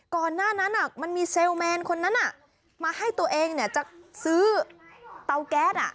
ก่อนหน้านั้นมันมีเซลลแมนคนนั้นมาให้ตัวเองเนี่ยจะซื้อเตาแก๊ส